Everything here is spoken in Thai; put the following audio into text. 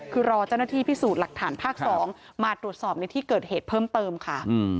คือรอเจ้าหน้าที่พิสูจน์หลักฐานภาค๒มาตรวจสอบในที่เกิดเหตุเพิ่มเติมค่ะ